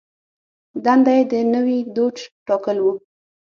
دنده یې د نوي دوج ټاکل و.